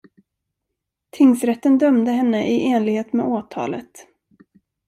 Tingsrätten dömde henne i enlighet med åtalet.